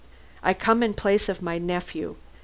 "I come in place of my nephew.